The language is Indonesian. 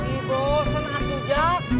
ih bosen atuh jack